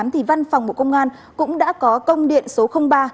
thì văn phòng bộ công an cũng đã có công điện số ba